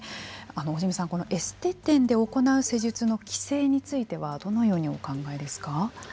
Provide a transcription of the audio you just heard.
大慈弥さん、エステ店で行う施術の規制についてはどのようにお考えですか。